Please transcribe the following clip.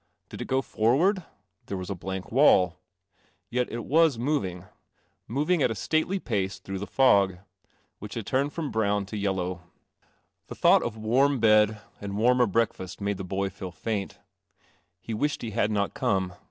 Did it go forward? There was a blank wall. Yet itwasmoving — moving at a statelypace through the fog, which had turned from brown to yellow. The thought of warm bed and warmer breakfast made the boy feel faint. He wished he had not come.